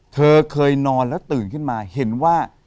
เธอเคยนอนแล้วตื่นขึ้นมาเห็นว่า